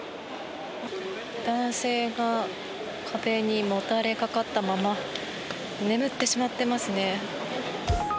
男性が壁にもたれかかったまま眠ってしまってますね。